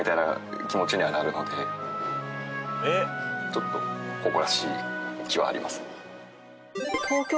ちょっと誇らしい気はありますね。